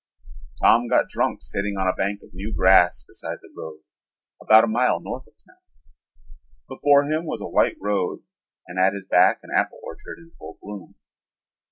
Tom got drunk sitting on a bank of new grass beside the road about a mile north of town. Before him was a white road and at his back an apple orchard in full bloom.